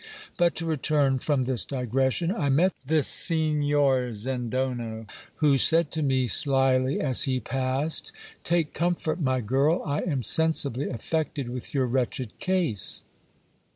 But to return from this digression ;.... I met this Signor Zendono, who said to me slily as he passed — Take comfort, my girl, I am sensibly affected with your wretched case.